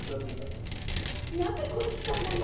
なぜ殺したんだよ